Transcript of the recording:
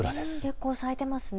結構咲いてますね。